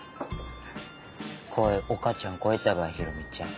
これ岡ちゃん超えたばい宏美ちゃん。